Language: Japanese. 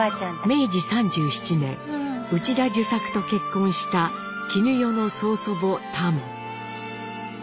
明治３７年内田壽作と結婚した絹代の曽祖母タモ。